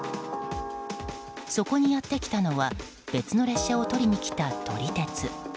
そこにやってきたのは別の列車を撮りに来た撮り鉄。